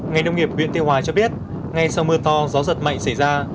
ngành nông nghiệp viện tiêu hòa cho biết ngay sau mưa to gió giật mạnh xảy ra